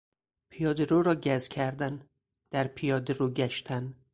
پیاده رو را گز کردن، در پیاده رو گشتن